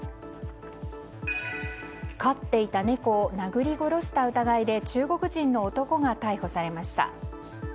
飼っていた猫を殴り殺した疑いで中国人の男が逮捕されました。